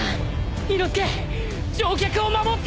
伊之助乗客を守って。